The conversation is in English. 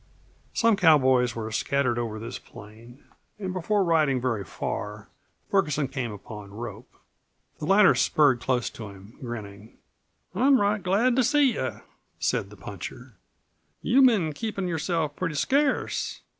Some cowboys were scattered over this plain, and before riding very far Ferguson came upon Rope. The latter spurred close to him, grinning. "I'm right glad to see you," said the puncher. "You've been keepin' yourself pretty scarce.